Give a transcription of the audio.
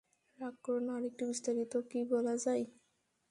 রাগ করো না, আরেকটু বিস্তারিত কি বলা যায়?